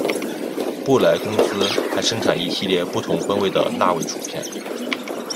布莱公司还生产一系列不同风味的辣味薯片。